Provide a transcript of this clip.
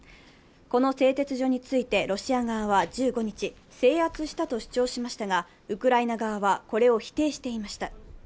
この製鉄所について、ロシア側は１５日、制圧したと主張しましたがウクライナ側はこれを否定していました。